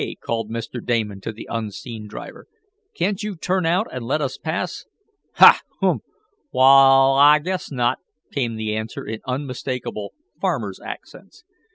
called Mr. Damon to the unseen driver, "can't you turn out and let us pass?" "Ha! Hum! Wa'al I guess not!" came the answer, in unmistakable farmer's accents.